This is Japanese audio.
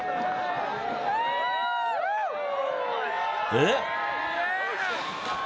えっ？